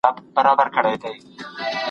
خشکیار د شاترینې په لټه کي و.